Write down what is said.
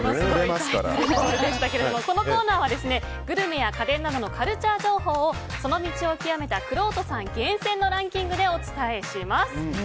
このコーナーはグルメや家電などのカルチャー情報をその道を究めたくろうとさん厳選のランキングでご紹介します。